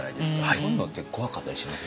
そういうのって怖かったりしません？